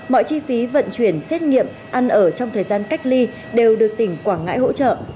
mọi chi phí vận chuyển xét nghiệm ăn ở trong thời gian cách ly đều được tỉnh quảng ngãi hỗ trợ